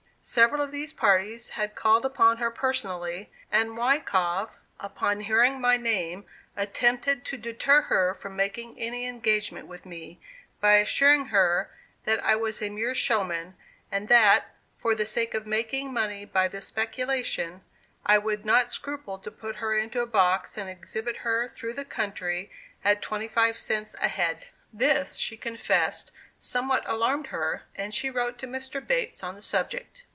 Several of these parties had called upon her personally, and Wyckoff upon hearing my name, attempted to deter her from making any engagement with me, by assuring her that I was a mere showman, and that, for the sake of making money by the speculation, I would not scruple to put her into a box and exhibit her through the country at twenty five cents a head. This, she confessed, somewhat alarmed her, and she wrote to Mr. Bates on the subject.